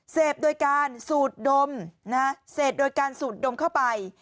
เสพโดยการสูดดมเสพโดยการสูดดมเข้าไป